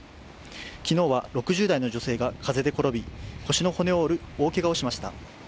昨日は６０代の女性が風で転び、腰の骨を折る大けがをしました。